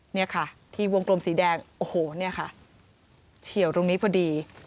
เนี่ยค่ะที่วงกลมสีแดงโอ้โหเนี่ยค่ะเฉียวตรงนี้พอดี